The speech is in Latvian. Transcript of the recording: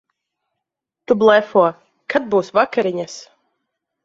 Tu blefo. Kad būs vakariņas?